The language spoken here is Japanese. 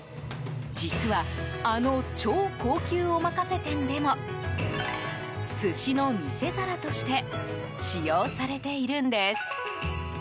実は、あの超高級おまかせ店でも寿司の見せ皿として使用されているんです。